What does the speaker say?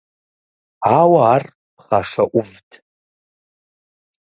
Ауэ ар пхъашэ Ӏувт.